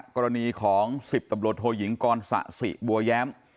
กรณีของ๑๐ตำรวจโทยิงกรสะสิบัวแย้ม